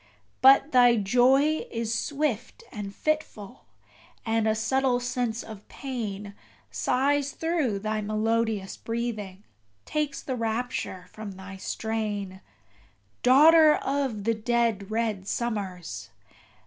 But thy joy is swift and fitful; and a subtle sense of pain Sighs through thy melodious breathing, takes the rapture from thy strain, Daughter of the dead red summers!